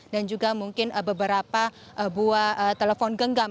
dan juga mungkin beberapa buah telepon genggam